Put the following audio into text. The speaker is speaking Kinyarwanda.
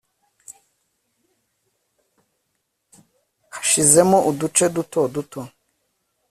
Yashizemo uduce duto duto